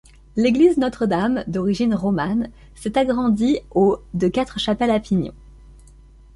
L'église Notre-Dame, d'origine romane, s'est agrandie au de quatre chapelles à pignons.